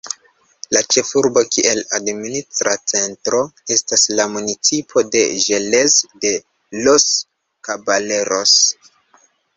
La ĉefurbo, kiel administra centro, estas la municipo de Jerez de los Caballeros.